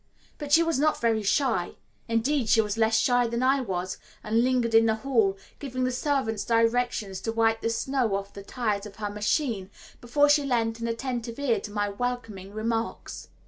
But she was not very shy; indeed, she was less shy than I was, and lingered in the hall, giving the servants directions to wipe the snow off the tyres of her machine before she lent an attentive ear to my welcoming remarks.